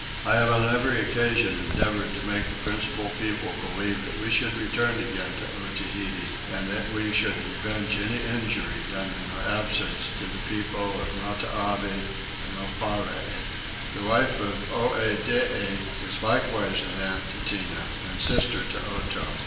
I have on every occasion endeavoured to make the principal people believe that we should return again to Otaheite and that we should revenge any injury done in our absence to the people of Matavai and Oparre. The wife of Oedidee is likewise an aunt to Tinah, and sister to Otow.